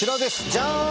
ジャン！